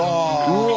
うわ！